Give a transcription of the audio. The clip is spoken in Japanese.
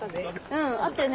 うん。あったよね。